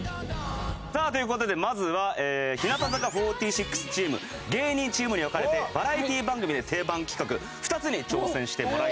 さあという事でまずは日向坂４６チーム芸人チームに分かれてバラエティ番組で定番企画２つに挑戦してもらいます。